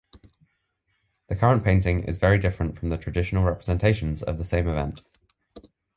The current painting is very different from the traditional representations of the same event.